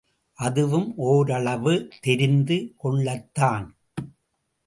அதுவும் ஒரளவு தெரிந்து கொள்ளத்தான்!